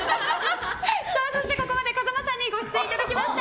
そして、ここまで風間さんにご出演いただきました。